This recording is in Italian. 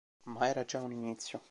Ma era già un inizio.